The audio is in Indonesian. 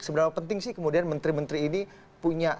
seberapa penting sih kemudian menteri menteri ini punya